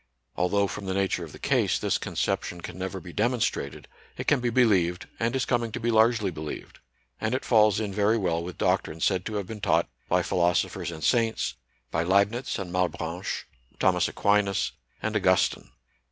Although, from the nature of the case, this con ception can never be demonstrated, it can be believed, and is coming to be largely believed ; and it falls in very well with doctrine said to have been taught by philosophers and saints, by Leibnitz and Malebranche, Thomas Aquinas, and Augustine.